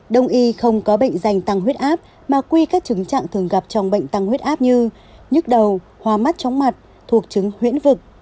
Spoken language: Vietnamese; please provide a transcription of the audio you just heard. đồng ý không có bệnh dành tăng huyết áp mà quy các chứng trạng thường gặp trong bệnh tăng huyết áp như nhức đầu hóa mắt trống mặt thuộc chứng huyễn vực